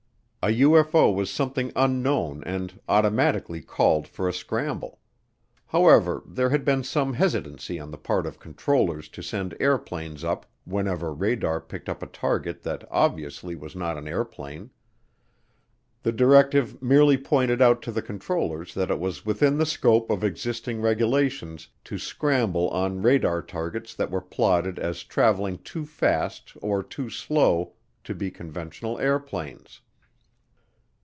A UFO was something unknown and automatically called for a scramble. However, there had been some hesitancy on the part of controllers to send airplanes up whenever radar picked up a target that obviously was not an airplane. The directive merely pointed out to the controllers that it was within the scope of existing regulations to scramble on radar targets that were plotted as traveling too fast or too slow to be conventional airplanes.